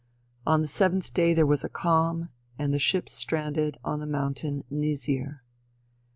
On the seventh day there was a calm, and the ship stranded on the mountain Nizir."